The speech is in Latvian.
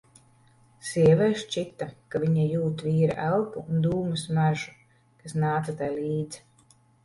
Sievai šķita, ka viņa jūt vīra elpu un dūmu smaržu, kas nāca tai līdz.